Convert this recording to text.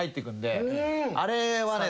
あれはね。